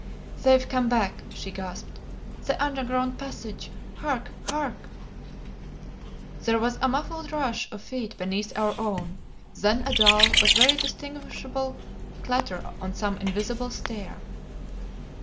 "They've come back," she gasped. "The underground passage! Hark hark!" There was a muffled rush of feet beneath our own, then a dull but very distinguishable clatter on some invisible stair.